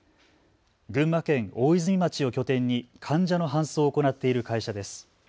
群馬県大泉町を拠点に患者の搬送を行っている会社です。